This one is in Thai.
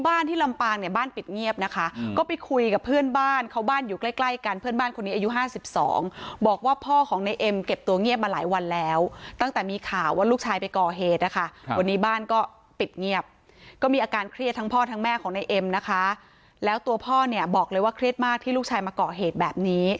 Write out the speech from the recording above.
ที่ลำปางเนี่ยบ้านปิดเงียบนะคะก็ไปคุยกับเพื่อนบ้านเขาบ้านอยู่ใกล้ใกล้กันเพื่อนบ้านคนนี้อายุห้าสิบสองบอกว่าพ่อของในเอ็มเก็บตัวเงียบมาหลายวันแล้วตั้งแต่มีข่าวว่าลูกชายไปก่อเหตุนะคะวันนี้บ้านก็ปิดเงียบก็มีอาการเครียดทั้งพ่อทั้งแม่ของในเอ็มนะคะแล้วตัวพ่อเนี่ยบอกเลยว่าเครียดมากที่ลูกชายมาก่อเหตุแบบนี้